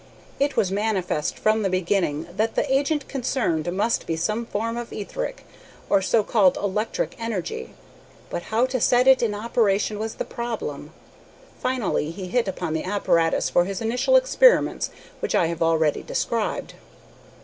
It was manifest from the beginning that the agent concerned must be some form of etheric, or so called electric, energy; but how to set it in operation was the problem. Finally he hit upon the apparatus for his initial experiments which I have already described.